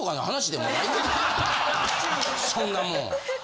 そんなもん。